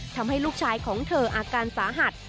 ทำให้ลูกชายของเธออาการสาหัส